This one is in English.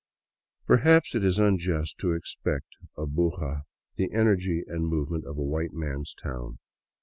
Perhaps it is un just to expect of Buga the energy and movement of a white man's town.